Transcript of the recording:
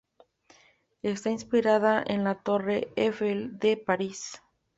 Está inspirada en la torre Eiffel de París.